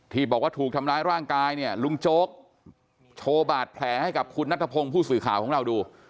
ที่บอกว่าถูกทำร้ายร่างกายเนี่ยลุงโจ๊กโชว์บาดแผลให้กับคุณนัทพงศ์ผู้สื่อข่าวของเราดู